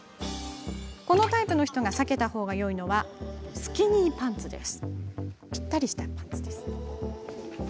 このタイプの人が避けたほうがよいのはスキニーパンツです。